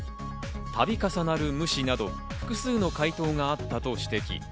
度重なる無視など、複数の回答があったと指摘。